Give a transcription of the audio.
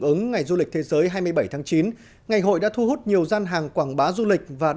ứng ngày du lịch thế giới hai mươi bảy tháng chín ngày hội đã thu hút nhiều gian hàng quảng bá du lịch và